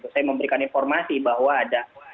saya memberikan informasi bahwa ada